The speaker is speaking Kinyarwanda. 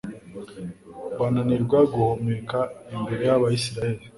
bananirwa guhumeka imbere y'abayisraheli